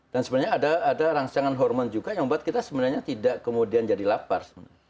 dan sebenarnya ada rangsangan hormon juga yang membuat kita sebenarnya tidak kemudian jadi lapar